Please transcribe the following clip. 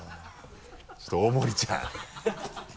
ちょっと大森ちゃん。